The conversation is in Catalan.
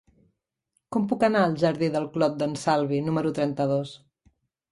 Com puc anar al jardí del Clot d'en Salvi número trenta-dos?